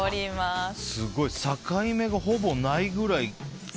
すごい境目がほぼないぐらい。